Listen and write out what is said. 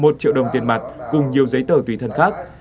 một triệu đồng tiền mặt cùng nhiều giấy tờ tùy thân khác